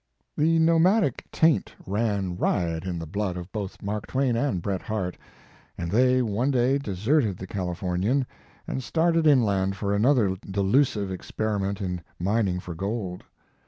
The nomadic taint ran riot in the blood of both Mark Twain and Bret Harte, and they one day deserted the California^ and started inland for another delusive exper iment in mining for gold.